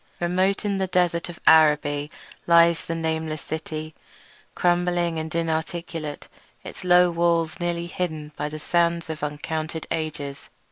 Remote in the desert of Araby lies the nameless city, crumbling and inarticulate, its low walls nearly hidden by the sands of uncounted ages.